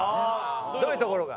どういうところが？